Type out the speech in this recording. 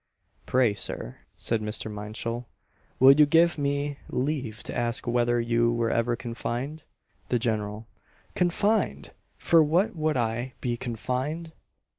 "Pray, Sir," said Mr. Minshull, "will you give me leave to ask whether you were ever confined?" The General "Confined! for what would I be confined?"